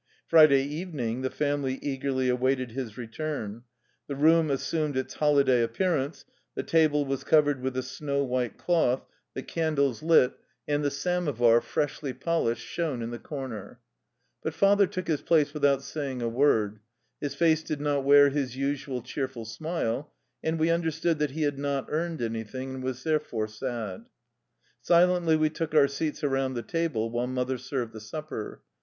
Friday evening the family eagerly awaited his return. The room assumed its holiday appearance; the table was covered with a snow white cloth, the candles lit, 8 THE LIFE STOEY OF A RUSSIAN EXILE and the samovar, freshly polished, shone in the corner. But father took his place without say ing a worG; his face did not wear his usual cheerful smile and we understood that he had not earned anything and was therefore sad. Silently we took our seats around the table, while mother served the supper.